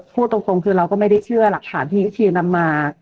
พูดตรงคือเราก็ไม่ได้เชื่อหลักฐานที่ชีนำมา